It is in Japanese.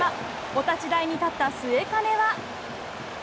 お立ち台に立った末包は。